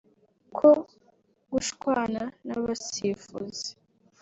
ko gushwana n’abasifuzi